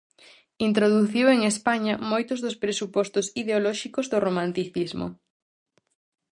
Introduciu en España moitos dos presupostos ideolóxicos do Romanticismo.